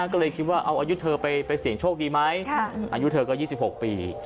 ก็เลยคิดว่าเอาอายุเธอไปเสี่ยงโชคดีไหมอายุเธอก็๒๖ปี